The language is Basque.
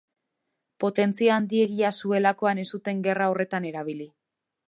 Potentzia handiegia zuelakoan ez zuten gerra horretan erabili.